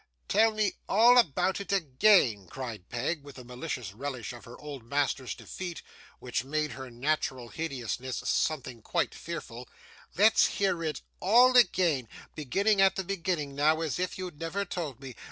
'Tell me all about it again,' cried Peg, with a malicious relish of her old master's defeat, which made her natural hideousness something quite fearful; 'let's hear it all again, beginning at the beginning now, as if you'd never told me.